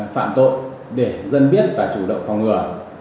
phạm tội để dân biết và chủ động phòng ngừa